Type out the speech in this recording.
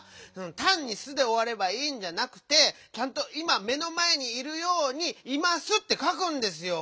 たんに「す」でおわればいいんじゃなくてちゃんといま目のまえにいるように「います」ってかくんですよ。